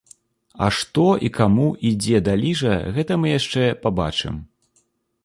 А што і каму, і дзе даліжа, гэта мы яшчэ пабачым.